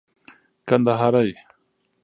کندهارى